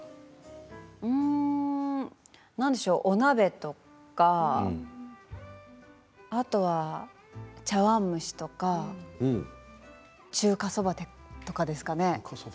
うーん何でしょう、お鍋とかあとは茶わん蒸しとか中華そばとかですかね。